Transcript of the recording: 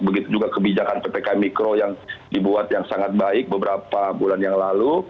begitu juga kebijakan ppkm mikro yang dibuat yang sangat baik beberapa bulan yang lalu